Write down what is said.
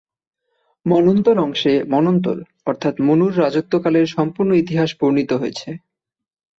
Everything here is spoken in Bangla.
মন্বন্তর অংশে মন্বন্তর অর্থাৎ মনুর রাজত্বকালের সম্পূর্ণ ইতিহাস বর্ণিত হয়েছে।